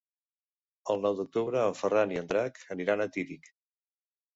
El nou d'octubre en Ferran i en Drac aniran a Tírig.